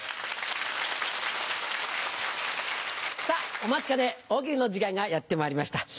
さぁお待ちかね大喜利の時間がやってまいりました。